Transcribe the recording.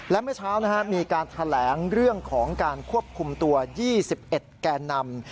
และเมื่อเช้ามีการแถลงเรื่องของการควบคุมตัว๒๑แกนนำ